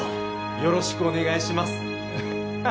よろしくお願いします。